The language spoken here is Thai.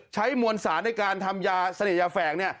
ใช้มวลสารในการทำยาเสน่ห์แฝงเนี่ย